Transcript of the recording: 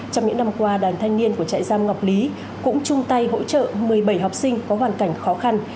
trong những năm qua đoàn thanh niên của trại giam ngọc lý cũng chung tay hỗ trợ một mươi bảy học sinh có hoàn cảnh khó khăn